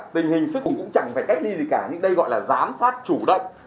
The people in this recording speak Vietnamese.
tình hình sức cũng chẳng phải cách ly gì cả nhưng đây gọi là giám sát chủ động